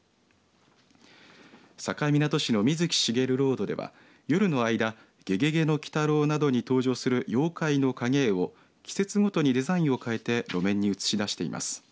境港市の水木しげるロードでは夜の間ゲゲゲの鬼太郎などに登場する妖怪の影絵を季節ごとにデザインを変えて路面に映し出しています。